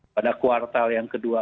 pada kuartal yang kedua